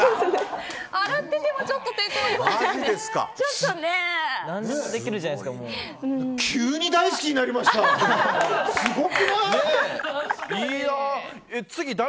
洗っててもちょっと抵抗ありますよね。